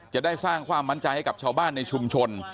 จะได้สร้างความมั่นใจให้กับชาวบ้านในชุมชน